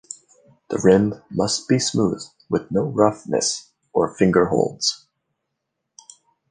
The rim must be smooth, with no roughness or finger holds.